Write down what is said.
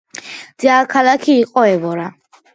დედაქალაქი იყო ევორა.